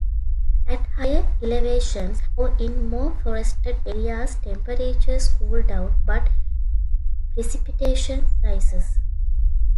At higher elevations or in more forested areas temperatures cool down but precipitation rises.